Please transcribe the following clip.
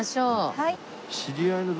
はい。